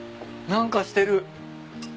何かしてる。